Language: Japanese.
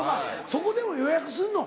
そこでも予約すんの？